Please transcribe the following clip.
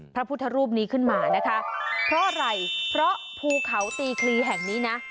พระพุทธรูปนี้ขึ้นมานะคะเพราะอะไรเพราะภูเขาตีคลีแห่งนี้นะ